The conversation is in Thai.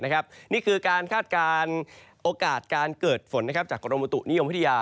นี่คือการคาดการณ์โอกาสการเกิดฝนจากกรมอุตุนิยมวิทยา